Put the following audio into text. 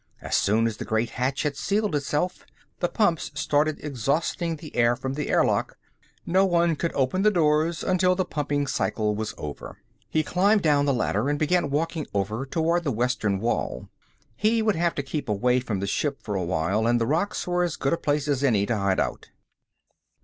As soon as the great hatch had sealed itself, the pumps started exhausting the air from the airlock. No one could open the doors until the pumping cycle was over. He climbed down the ladder and began walking over toward the western wall. He would have to keep away from the ship for a while, and the rocks were as good a place as any to hide out.